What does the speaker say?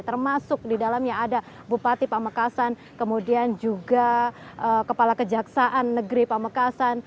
termasuk di dalamnya ada bupati pamekasan kemudian juga kepala kejaksaan negeri pamekasan